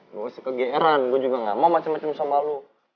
lo masih kegeeran gue juga nggak mau macem macem sama lo